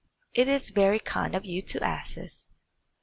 It is very kind of you to ask us."